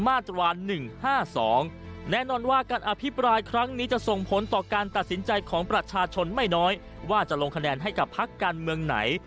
มาตรา๑๕๒แน่นอนว่าการอภิปรายครั้งนี้จะส่งผลต่อการตัดสินใจของประชาชนไม่น้อยว่าจะลงคะแนนให้กับพักการเมืองไหน